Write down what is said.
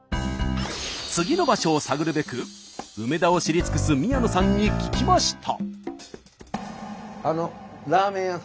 次の場所を探るべく梅田を知り尽くす宮野さんに聞きました。